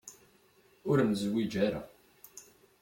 Ur nezwiǧ ara.